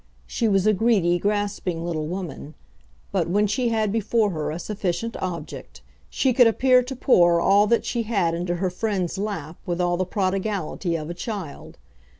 She was a greedy, grasping little woman, but, when she had before her a sufficient object, she could appear to pour all that she had into her friend's lap with all the prodigality of a child.